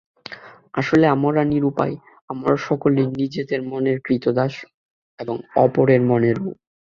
আসলে আমরা নিরুপায়! আমরা সকলেই নিজেদের মনের ক্রীতদাস এবং অপরের মনেরও।